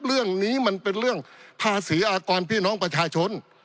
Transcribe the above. เรื่องนี้มันเป็นเรื่องภาษีอากรพี่น้องประชาชน